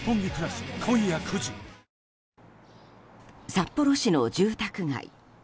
札幌市の住宅街。